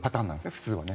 普通はね。